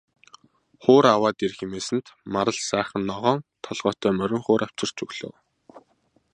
Хуур аваад ир хэмээсэнд Марал сайхан ногоон толгойтой морин хуур авчирч өглөө.